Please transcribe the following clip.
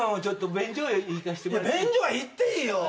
便所は行っていいよ。